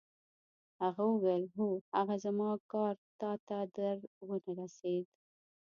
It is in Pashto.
هغه وویل: هو، هغه زما کارډ تا ته در ونه رسید؟